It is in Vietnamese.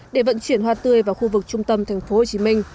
để vận chuyển hoa tươi vào khu vực trung tâm tp hcm